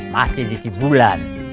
masih di cibulan